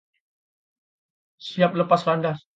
Siap lepas landas.